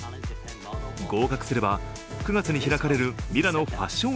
合格すれば９月に開かれるミラノファッション